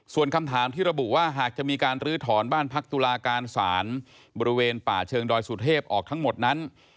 ส่วนคำถามที่ระบุว่าหากจะมีการลื้อถอนบ้านพักตุลาการศาลบริเวณป่าเชิงดอยสุเทพออกทั้งหมดนั้น